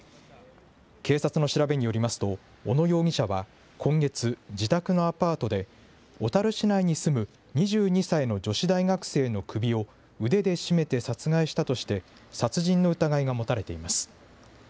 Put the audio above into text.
警察の調べによりますと、小野容疑者は今月、自宅のアパートで小樽市内に住む２２歳の女子大学生の首を腕で絞めて殺害したとして、殺人の疑いが持たれています。